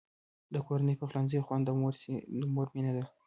د کورني پخلنځي خوند د مور مینه ده.